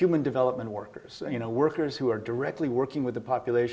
dan indonesia bergerak dengan cepat